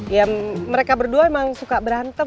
ya mereka berdua emang suka berantem